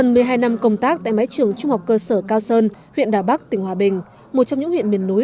mái trường trung học cơ sở cao sơn huyện đà bắc tỉnh hòa bình một trong những huyện miền núi